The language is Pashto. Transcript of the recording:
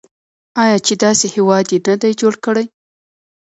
آیا چې داسې هیواد یې نه دی جوړ کړی؟